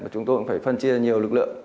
chúng tôi cũng phải phân chia nhiều lực lượng